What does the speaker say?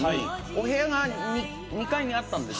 お部屋が２階にあったんですよ。